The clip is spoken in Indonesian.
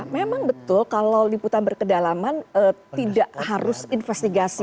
memang betul kalau liputan berkedalaman tidak harus investigasi